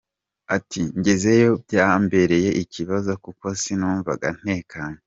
Ati, “Ngezeyo byambereyeye ikibazo kuko sinumvaga ntekanye.